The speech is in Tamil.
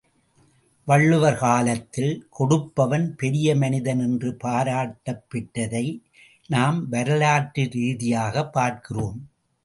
வள்ளுவர் காலத்தில் கொடுப்பவன் பெரிய மனிதன் என்று பாராட்டப் பெற்றதை நாம் வரலாற்று ரீதியாகப் பார்க்கிறோம்.